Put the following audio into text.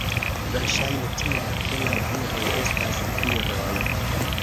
Verŝajne tial, ke la viroj estas viroj.